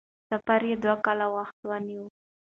سفر یې دوه کاله وخت ونیو.